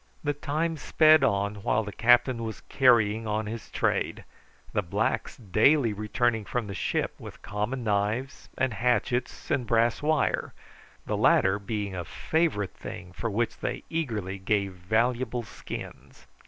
The time sped on, while the captain was carrying on his trade, the blacks daily returning from the ship with common knives, and hatchets, and brass wire, the latter being a favourite thing for which they eagerly gave valuable skins.